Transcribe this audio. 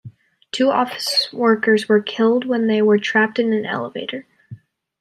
Two office workers were killed when they were trapped in an elevator.